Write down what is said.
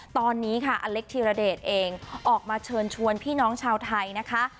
ตอนนี้ค่ะอเล็กธิรเดชเองออกมาเชิญชวนพี่น้องชาวไทยนะคะ